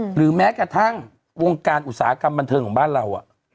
หรือแม้กระทั่งวงการอุตสาหกรรมบันเทิงของบ้านเรา